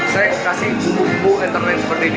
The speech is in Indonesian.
saya kasih buku buku entertainment seperti ini